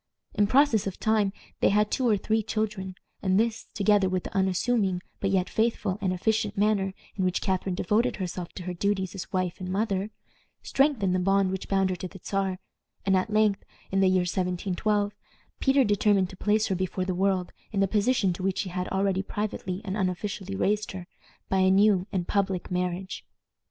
In process of time they had two or three children, and this, together with the unassuming but yet faithful and efficient manner in which Catharine devoted herself to her duties as wife and mother, strengthened the bond which bound her to the Czar, and at length, in the year 1712, Peter determined to place her before the world in the position to which he had already privately and unofficially raised her, by a new and public marriage.